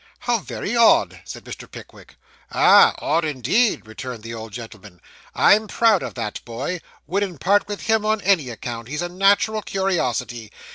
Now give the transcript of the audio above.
'How very odd!' said Mr. Pickwick. 'Ah! odd indeed,' returned the old gentleman; 'I'm proud of that boy wouldn't part with him on any account he's a natural curiosity!